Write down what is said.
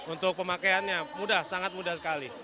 untuk pemakaiannya mudah sangat mudah sekali